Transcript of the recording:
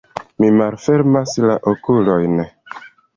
Mi malfermas la okulojn.